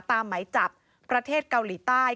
หมายจับประเทศเกาหลีใต้